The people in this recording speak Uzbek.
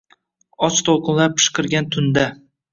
Och to’lqinlar pishqirgan tunda